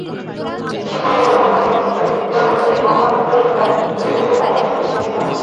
সেখানে কর্মরত সরকারি কর্মচারীদের মহার্ঘ ভাতা তিন হাজার টাকা নির্ধারণ করা হয়।